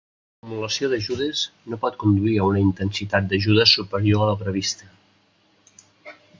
L'acumulació d'ajudes no pot conduir a una intensitat d'ajuda superior a la prevista.